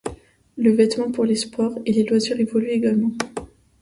Le vêtement pour les sports et les loisirs évolue également.